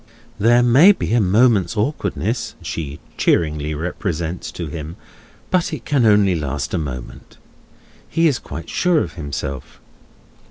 There may be a moment's awkwardness, she cheeringly represents to him, but it can only last a moment. He is quite sure of himself.